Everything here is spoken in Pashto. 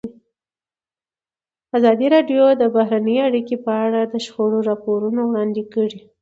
ازادي راډیو د بهرنۍ اړیکې په اړه د شخړو راپورونه وړاندې کړي.